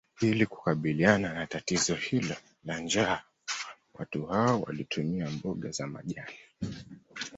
Ili kukabiliana na tatizo hilo la njaa watu hao walitumia mboga za majani